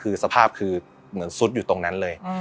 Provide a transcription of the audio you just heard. คือสภาพคือเหมือนซุดอยู่ตรงนั้นเลย